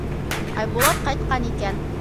— Айбулат ҡайтҡан икән.